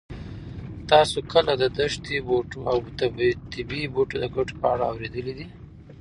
تاسو کله د دښتي بوټو او طبي بوټو د ګټو په اړه اورېدلي دي؟